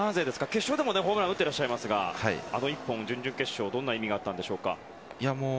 決勝でもホームラン打っていますが準々決勝、どんな意味があったんでしょうか。